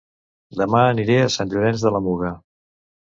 Dema aniré a Sant Llorenç de la Muga